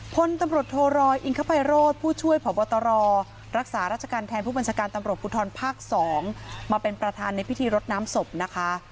พลตำรวจโทรอยอิงคภัยโรธผู้ช่วยผอบตรรักษาราชการแทนผู้บัญชาการตำรวจภูทรภาค๒มาเป็นประธานในพิธีรดน้ำศพนะคะ